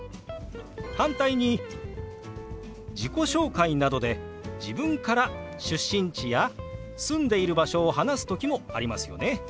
反対に自己紹介などで自分から出身地や住んでいる場所を話す時もありますよね。